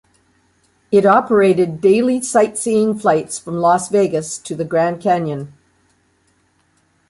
It operated daily sightseeing flights from Las Vegas to the Grand Canyon.